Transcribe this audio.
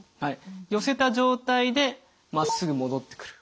寄せた状態でまっすぐ戻ってくる。